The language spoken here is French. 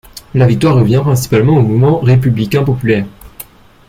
La victoire revient principalement au Mouvement républicain populaire.